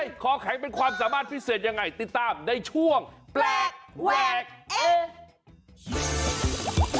คอแข็งเป็นความสามารถพิเศษยังไงติดตามในช่วงแปลกแวกเอ